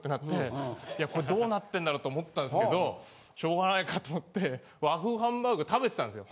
いやこれどうなってんだろうと思ったんですけどしょうがないかと思って和風ハンバーグ食べてたんですよ。